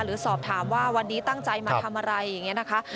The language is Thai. หรือสอบถามว่าวันนี้ตั้งใจมาทำอะไรอย่างนี้นะคะ